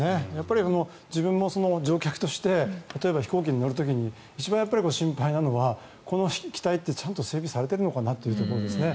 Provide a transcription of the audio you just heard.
自分も乗客として例えば飛行機に乗る時に心配なのはこの機体ってちゃんと整備されているかですね。